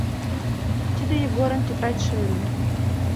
Тиде Егорын тетрадьше ыле.